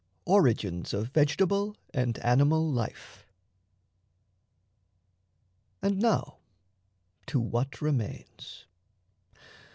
ORIGINS OF VEGETABLE AND ANIMAL LIFE And now to what remains!